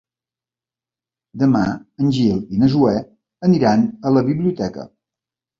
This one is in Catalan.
Demà en Gil i na Zoè aniran a la biblioteca.